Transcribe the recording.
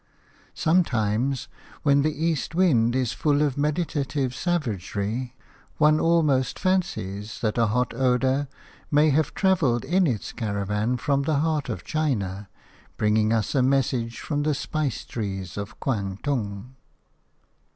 Sometimes, when the east wind is full of meditative savagery, one almost fancies that a hot odour may have travelled in its caravan from the heart of China, bringing us a message from the spice trees of Kwangtung.